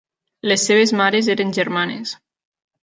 Les seves mares eren germanes.